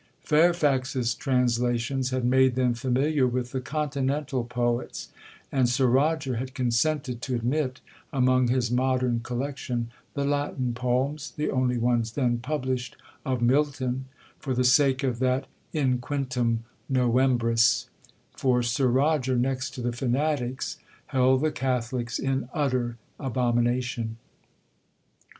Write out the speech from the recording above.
Fairfax's translations had made them familiar with the continental poets; and Sir Roger had consented to admit, among his modern collection, the Latin poems (the only ones then published) of Milton, for the sake of that in Quintum Novembris,—for Sir Roger, next to the fanatics, held the Catholics in utter abomination.'